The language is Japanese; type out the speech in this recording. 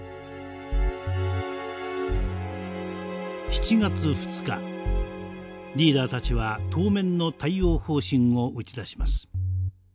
７月２日リーダーたちは当面の対応方針を打ち出します。